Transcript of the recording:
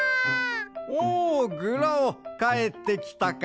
おおグラオかえってきたか。